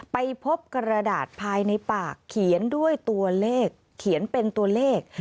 ไปพบกระดาษภายในปากเขียนด้วยตัวเลขเขียนเป็นตัวเลข